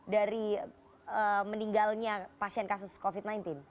dari meninggalnya pasien kasus covid sembilan belas